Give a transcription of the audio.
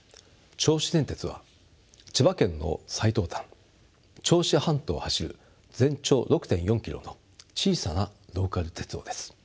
銚子電鉄は千葉県の最東端銚子半島を走る全長６．４ｋｍの小さなローカル鉄道です。